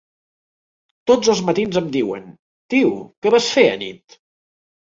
Tots els matins em diuen: "Tio", què vas fer anit?